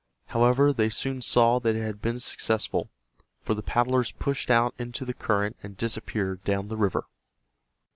However, they soon saw that it had been successful, for the paddlers pushed out into the current and disappeared down the river.